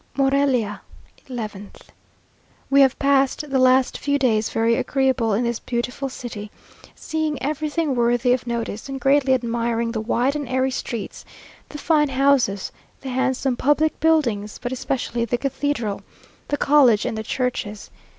MORELIA, 11th. We have passed the last few days very agreeably in this beautiful city, seeing everything worthy of notice, and greatly admiring the wide and airy streets, the fine houses, the handsome public buildings, but especially the cathedral, the college, and the churches.